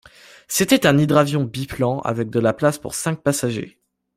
C'était un hydravion biplan avec de la place pour cinq passagers.